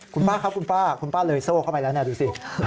คุณป้าครับคุณป้าคุณป้าเลยโซ่เข้าไปแล้วเนี่ยดูสิ